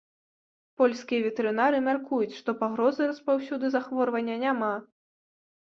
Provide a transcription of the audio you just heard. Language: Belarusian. Польскія ветэрынары мяркуюць, што пагрозы распаўсюды захворвання няма.